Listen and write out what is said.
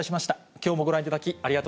きょうもご覧いただき、ありがと